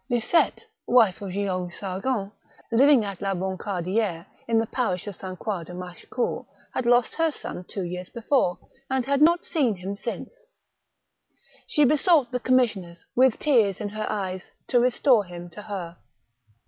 Licette, wife of Guillaume Sergent, living at La Boncardi^re, in the parish of S. Croix de Machecoul, had lost her son two years before, and had not seen him THE MARlfeCHAL DE RETZ. 197 since ; she besought the commissioners, with tears in her eyes, to restore him to her.